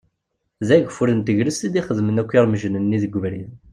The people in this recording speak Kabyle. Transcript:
D ageffur n tegrest i d-ixedmen akk iremjen-nni deg ubrid.